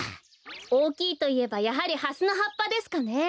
おおきいといえばやはりハスのはっぱですかね。